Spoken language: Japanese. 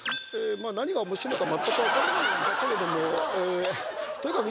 まあ何がおもしろいのか全くわからないんだけれどもえーとにかく